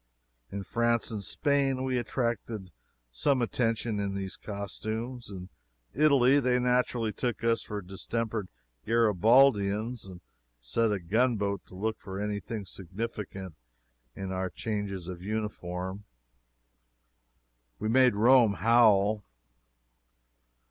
In France and Spain we attracted some attention in these costumes. In Italy they naturally took us for distempered Garibaldians, and set a gunboat to look for any thing significant in our changes of uniform. We made Rome howl.